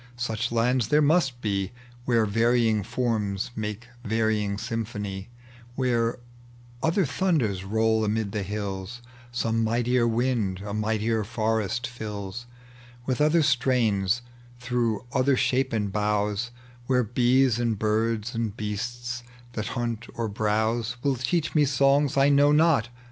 Such lands there must be, Where varying forms make varying symphony — Where other thunders roll amid the hills, Some mightier wind a mightier forest fills With other strains through other shapen bougbs ; Where bees and birds and beasts that hunt or browse Will teach me songs I know not.